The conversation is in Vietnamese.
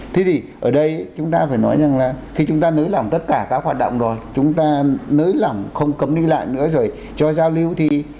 thế thì ở đây chúng ta phải nói rằng là khi chúng ta nới lỏng tất cả các hoạt động rồi chúng ta nới lỏng không cấm đi lại nữa rồi cho giao lưu thì